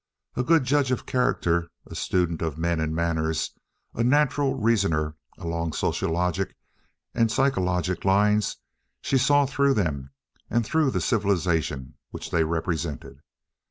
A good judge of character, a student of men and manners, a natural reasoner along sociologic and psychologic lines, she saw through them and through the civilization which they represented.